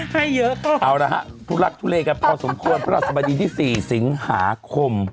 ให้เยอะก็เอาล่ะฮะทุลักทุเลกครับพอสมควรเพื่อนรับสบายดีที่สี่สิงหาคม